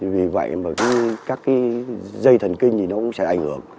vì vậy mà các cái dây thần kinh thì nó cũng sẽ ảnh hưởng